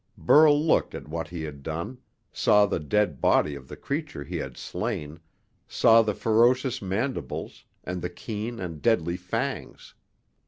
Burl looked at what he had done, saw the dead body of the creature he had slain, saw the ferocious mandibles, and the keen and deadly fangs.